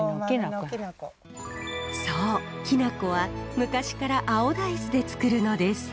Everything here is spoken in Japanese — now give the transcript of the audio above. そうきな粉は昔から青大豆でつくるのです。